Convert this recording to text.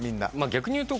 逆に言うと。